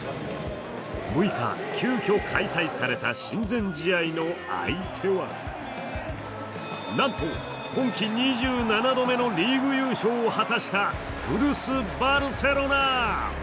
６日、急きょ開催された親善試合の相手は、なんと今季２７度目のリーグ優勝を果たした古巣・バルセロナ。